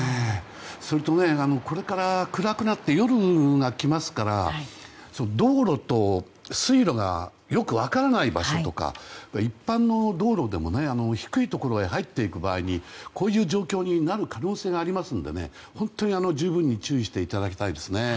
それと、これから暗くなって夜が来ますから道路と水路がよく分からない場所とか一般の道路でも低いところへ入っていく場合にこういう状況になる可能性がありますので本当に十分に注意していただきたいですね。